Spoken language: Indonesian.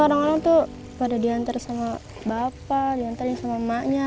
itu orang orang pada diantar sama bapak diantar sama emaknya